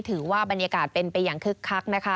ถือว่าบรรยากาศเป็นไปอย่างคึกคักนะคะ